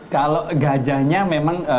kalau gajahnya memang